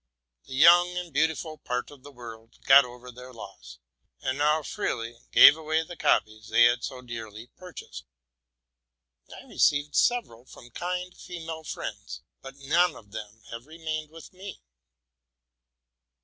The young and beautiful part of the world got over their loss, and now freely gave away the copies they had so dearly purchased. I received several from kind female friends, but none of them have remained with me.